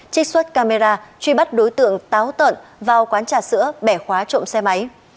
trích xuất camera truy bắt đối tượng táo tợn vào quán trà sữa bẻ khóa trộm xe máy